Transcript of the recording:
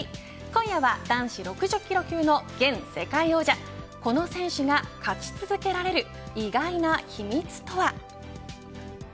今夜は男子６０キロ級の現世界王者この選手が勝ち続けられる意外な秘密とは。